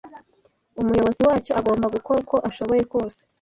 umuyobozi wacyo agomba gukora uko ashoboye kose